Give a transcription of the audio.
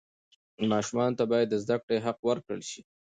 ماشومانو ته باید د زده کړې حق ورکړل سي.